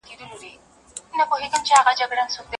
چي دې اولس وه تل نازولي